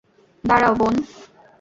দাঁড়াও, বোন।